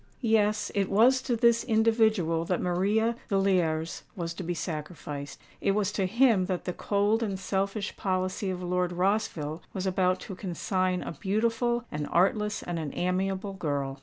Yes—it was to this individual that Maria Villiers was to be sacrificed:—it was to him that the cold and selfish policy of Lord Rossville was about to consign a beautiful, an artless, and an amiable girl.